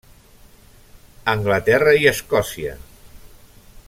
Anglaterra i Escòcia.